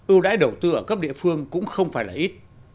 ưu đãi đầu tư ở cấp địa phương cũng không phải là ít